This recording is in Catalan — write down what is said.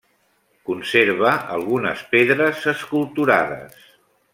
Conserva algunes pedres esculturades.